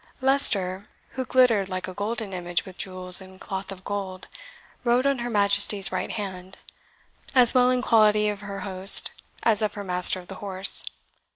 Leicester, who glittered like a golden image with jewels and cloth of gold, rode on her Majesty's right hand, as well in quality of her host as of her master of the horse.